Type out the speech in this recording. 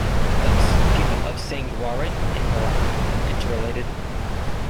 Thus people of Saguiaran and Marawi are inter-related.